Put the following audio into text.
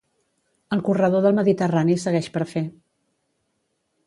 El corredor del Mediterrani segueix per fer.